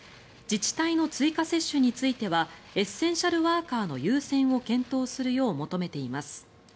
自治体の追加接種についてはエッセンシャルワーカーの優先を検討するよう求めています。